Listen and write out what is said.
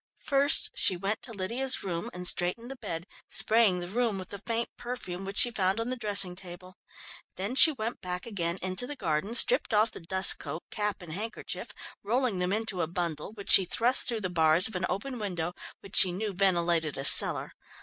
First she went to Lydia's room and straightened the bed, spraying the room with the faint perfume which she found on the dressing table; then she went back again into the garden, stripped off the dust coat, cap and handkerchief, rolling them into a bundle, which she thrust through the bars of an open window which she knew ventilated a cellar.